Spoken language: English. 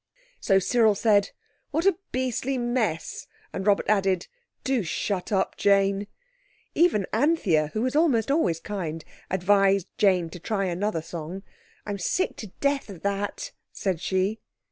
So Cyril said, "What a beastly mess!" And Robert added, "Do shut up, Jane!" Even Anthea, who was almost always kind, advised Jane to try another song. "I'm sick to death of that," said she.